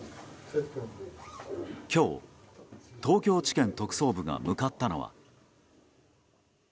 今日、東京地検特捜部が向かったのは。